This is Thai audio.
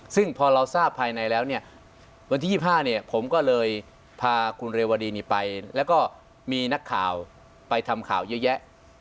ซึ่งพอเราทราบภายในแล้วเนี่ยวันที่๒๕เนี่ยผมก็เลยพาคุณเรวดีนี้ไปแล้วก็มีนักข่าวไปทำข่าวเยอะแยะ